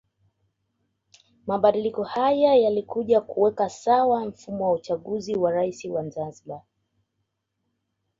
Mabadiliko haya yalikuja kuweka sawa mfumo wa uchaguzi wa Rais wa Zanzibar